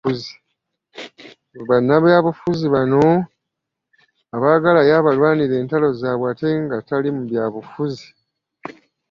Mbu bannnabyabufuzi bano abaagala ye abalwanire entalo zaabwe ate nga tali mu bya bufuzi.